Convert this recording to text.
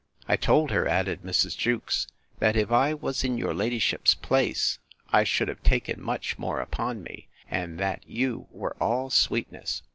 I told her, added Mrs. Jewkes, that if I was in your ladyship's place, I should have taken much more upon me, and that you were all sweetness.